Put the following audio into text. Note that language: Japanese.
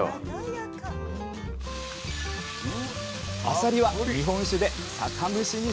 あさりは日本酒で酒蒸しにします